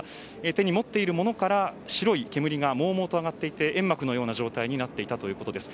手に持っているものから白い煙がもうもうと上がっていて煙幕のような状態になっていたということです。